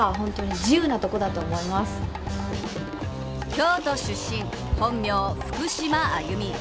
京都出身、本名、福島あゆみ。